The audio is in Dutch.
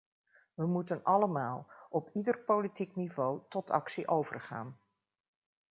We moeten allemaal, op ieder politiek niveau, tot actie overgaan.